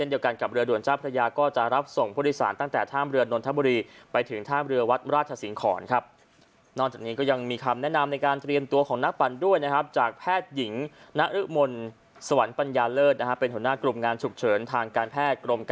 นะคะเป็นหน้ากลุ่มงานฉุกเฉินทางการแพทย์กรมการแพทย์